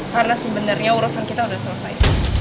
karena sebenarnya urusan kita udah selesai